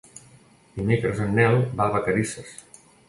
Dimecres en Nel va a Vacarisses.